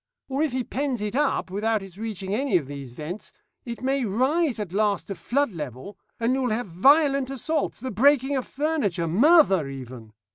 Or if he pens it up, without its reaching any of these vents, it may rise at last to flood level, and you will have violent assaults, the breaking of furniture, 'murther' even.